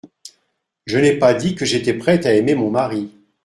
Je n'ai pas dit que j'étais prête à aimer mon mari.